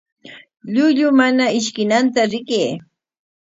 Llullu mana ishkinanta rikay.